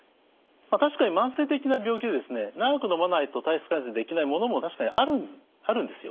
確かに慢性的な病気で長くのまないと体質改善できないものも確かにあるんですよ。